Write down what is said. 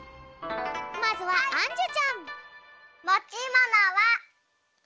まずはあんじゅちゃん。